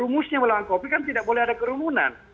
rumusnya melawan covid kan tidak boleh ada kerumunan